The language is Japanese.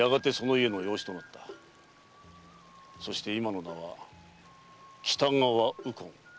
そして今の名は「北川右近」。